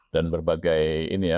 dan berbagai ini ya